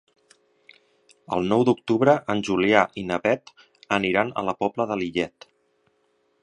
El nou d'octubre en Julià i na Beth aniran a la Pobla de Lillet.